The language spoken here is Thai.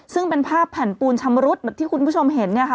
ซึ่งเป็นภาพแผ่นปูนชำรุดแบบที่คุณผู้ชมเห็นเนี่ยค่ะ